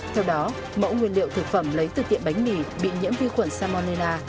theo đó mẫu nguyên liệu thực phẩm lấy từ tiệm bánh mì bị nhiễm vi khuẩn salmonella